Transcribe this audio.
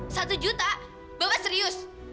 satu juta bapak serius